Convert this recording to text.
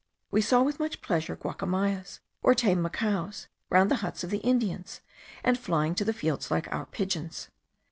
We saw with much pleasure guacamayas, or tame macaws, round the huts of the Indians, and flying to the fields like our pigeons.